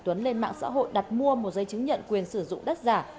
tuấn lên mạng xã hội đặt mua một giấy chứng nhận quyền sử dụng đất giả